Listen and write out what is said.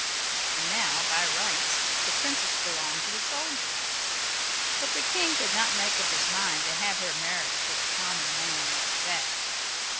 And now by rights the Princess belonged to the soldier, but the King could not make up his mind to have her married to a common man like that.